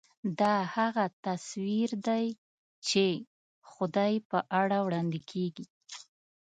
دا هغه تصویر دی چې خدای په اړه وړاندې کېږي.